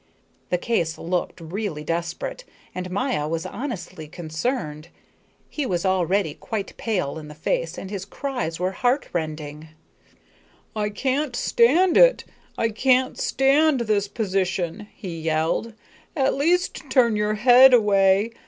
The case looked really desperate, and Maya was honestly concerned; he was already quite pale in the face and his cries were heart rending. "I can't stand it, I can't stand this position," he yelled. "At least turn your head away.